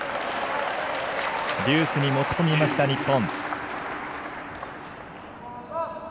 デュースに持ち込みました日本。